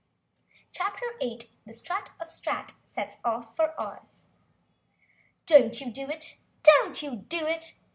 CHAPTER 8 Strut of the Strat Sets Off for Oz "Don't you do it! Don't you do it!"